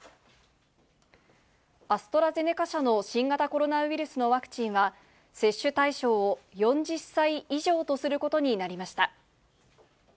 アストラゼネカ社の新型コロナウイルスのワクチンは、接種対象を４０歳以上とすることになりました。